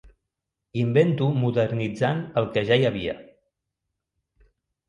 Invento modernitzant el que ja hi havia.